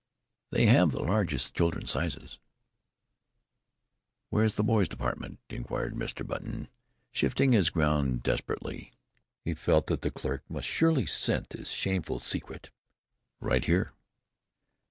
"They have the largest child's sizes." "Where is the boys' department?" inquired Mr. Button, shifting his ground desperately. He felt that the clerk must surely scent his shameful secret. "Right here."